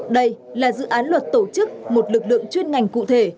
đây là dự án luật tổ chức một lực lượng chuyên ngành cụ thể